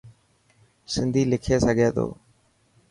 سنڌي لکي سگھي ٿو.